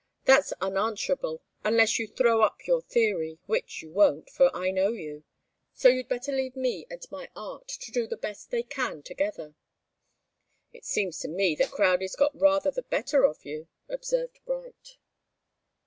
"That's unanswerable unless you throw up your theory which you won't, for I know you. So you'd better leave me and my art to do the best they can together." "It seems to me that Crowdie's got rather the better of you," observed Bright.